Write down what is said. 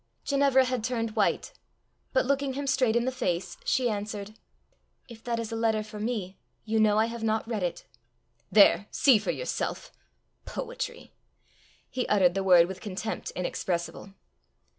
Ginevra had turned white, but looking him straight in the face, she answered, "If that is a letter for me, you know I have not read it." "There! see for yourself. Poetry!" He uttered the word with contempt inexpressible.